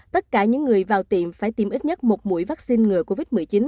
tất cả những người vào tiệm phải tiêm ít nhất một mũi vaccine ngừa covid một mươi chín